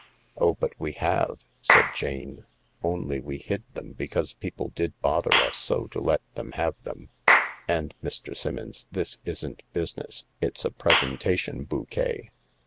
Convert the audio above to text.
" Oh, but we have/' said Jane, " only we hid them becajoae people did bother us so to let them have thepi. faid, Mr. Simmons, this isn't busies?. It's a presentation bouquyet."